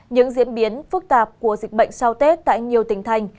những diễn biến phức tạp của dịch bệnh sau tết tại nhiều tỉnh thành